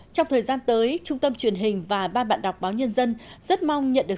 trong thời gian tới trung tâm truyền hình và ban bạn đọc báo nhân dân rất mong nhận được